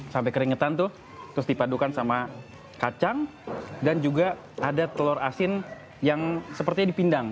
sampai keringetan tuh terus dipadukan sama kacang dan juga ada telur asin yang sepertinya dipindang